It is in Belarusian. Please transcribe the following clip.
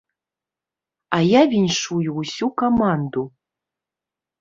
А я віншую ўсю каманду.